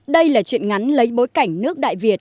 đây là chuyện ngắn lấy bối cảnh nước đại việt